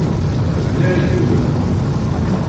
Bniɣ yiwet.